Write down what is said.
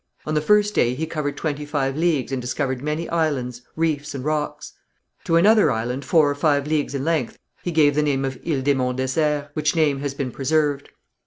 On the first day he covered twenty five leagues and discovered many islands, reefs and rocks. To another island, four or five leagues in length, he gave the name of Ile des Monts Déserts, which name has been preserved.